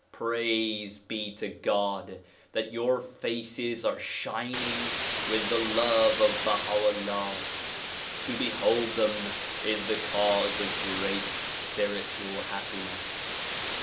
Praise be to God ! that your faces are shining with the love of Baha 'Ullah. To behold them is the cause of great spiritual happiness.